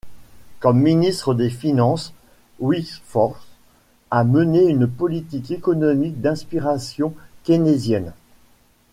Comme ministre des finances, Wigforss a mené une politique économique d'inspiration keynésienne.